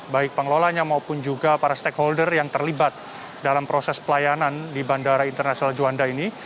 baik pengelolanya maupun juga para stakeholder yang terlibat dalam proses pelayanan di bandara internasional juanda ini